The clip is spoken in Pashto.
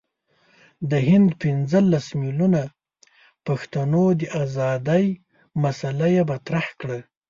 د هند پنځه لس میلیونه پښتنو د آزادی مسله یې مطرح کړه.